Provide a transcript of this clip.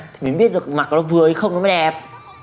thì mới biết được mặc nó vừa hay không nó mới đẹp